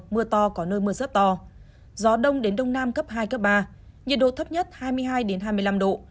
mưa to có nơi mưa rất to gió đông đến đông nam cấp hai cấp ba nhiệt độ thấp nhất hai mươi hai hai mươi năm độ